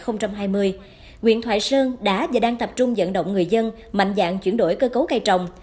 huyện thoại sơn đã và đang tập trung dẫn động người dân mạnh dạng chuyển đổi cơ cấu cây trồng